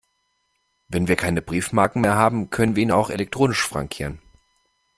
Wenn wir keine Briefmarken mehr haben, können wir ihn auch elektronisch frankieren.